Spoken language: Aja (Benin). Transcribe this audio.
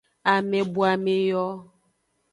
Amebuame yo.